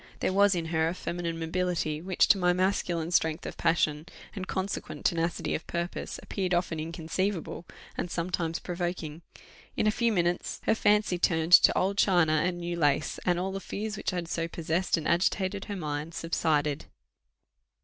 There was in her a feminine mobility, which, to my masculine strength of passion, and consequent tenacity of purpose, appeared often inconceivable, and sometimes provoking. In a few minutes her fancy turned to old china and new lace, and all the fears which had so possessed and agitated her mind subsided.